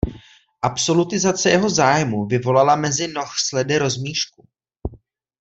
Absolutizace jeho zájmů vyvolala mezi noshledy rozmíšku.